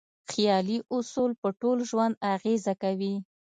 خیالي اصول په ټول ژوند اغېزه کوي.